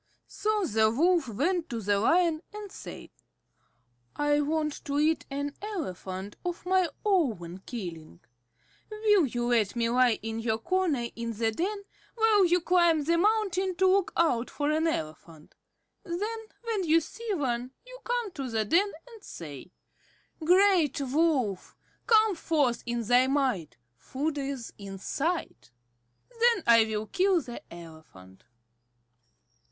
So the Wolf went to the Lion, and said: "I want to eat an elephant of my own killing. Will you let me lie in your corner in the den, while you climb the mountain to look out for an elephant? Then when you see one, you come to the den and say, 'Great Wolf, come forth in thy might. Food is in sight.' Then I will kill the elephant."